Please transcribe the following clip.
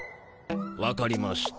わかりました。